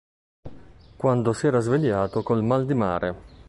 Quando s'era svegliato col mal di mare.